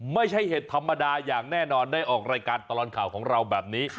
เห็ดธรรมดาอย่างแน่นอนได้ออกรายการตลอดข่าวของเราแบบนี้